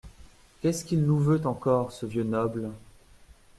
Qu’est-ce qu’il nous veut encore, ce vieux noble ?